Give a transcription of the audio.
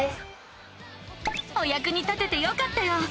おやくに立ててよかったよ！